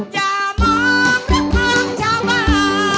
อย่ามองรักของชาวบ้าน